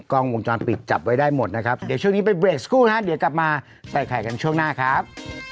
กล้องวงจรปิดจับไว้ได้หมดนะครับเดี๋ยวช่วงนี้ไปเดี๋ยวกลับมาใส่แข่งกันช่วงหน้าครับ